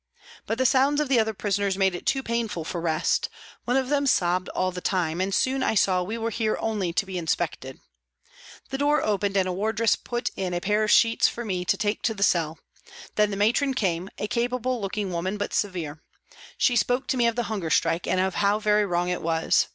But the sounds of the other prisoners made it too painful for rest ; one of them sobbed all the time, and soon I saw we were here only to be inspected. The door opened and a wardress put in a pair of sheets for me to take to the cell. Then the Matron came, a capable looking woman, but severe. She spoke to me of the hunger strike, and of how very wrong it was.